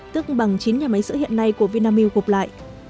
tức bằng chín nhà máy sữa hiện nay của vinamilk gục lại